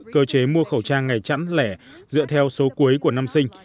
cơ chế mua khẩu trang ngày chẵn lẻ dựa theo số cuối của năm sinh